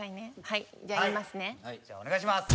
はいじゃあお願いします！